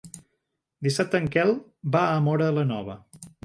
Dissabte en Quel va a Móra la Nova.